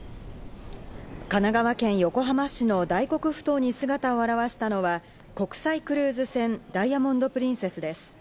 神奈川県横浜市の大黒ふ頭に姿を現したのは国際クルーズ船ダイヤモンド・プリンセスです。